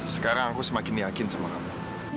sekarang aku semakin yakin sama kamu